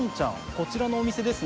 こちらのお店ですね。